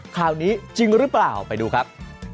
ข่าวนี้จริงหรือเปล่าไปดูครับ